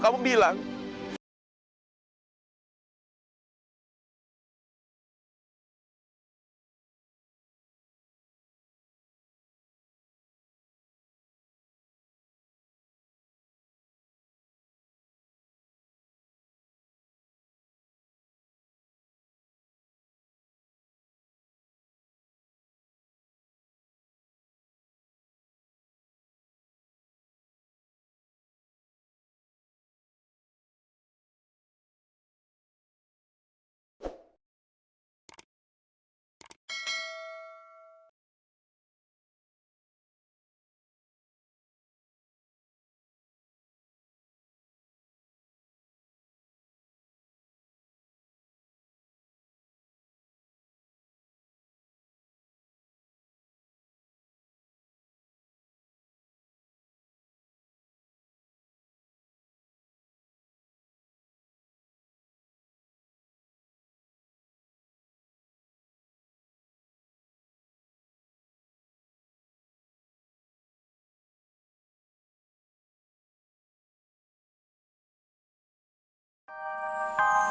kamu punya apa